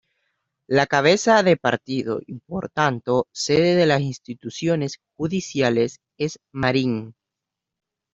La cabeza de partido y por tanto sede de las instituciones judiciales es Marín.